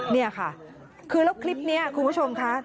เนี่ยค่ะคลิปเนี่ยคุณผู้ชมคะ